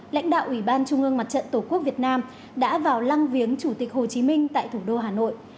lãnh đạo ủy ban trung ương mặt trận tổ quốc việt nam đã vào lăng viếng chủ tịch hồ chí minh tại thủ đô hà nội